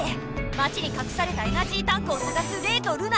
まちにかくされたエナジータンクをさがすレイとルナ。